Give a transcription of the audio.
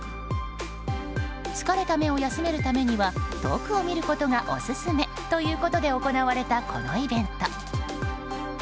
疲れた目を休めるためには遠くを見ることがオススメということで行われたこのイベント。